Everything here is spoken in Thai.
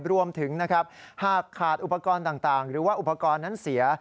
รวมถึงนะครับหากขาดอุปกรณ์ต่างหรือว่าอุปกรณ์นั้นเสีย